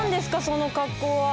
その格好は。